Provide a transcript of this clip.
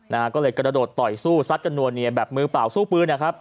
นะฮะก็เลยกระโดดต่อยสู้ซัดกันนัวเนียแบบมือเปล่าสู้ปืนนะครับ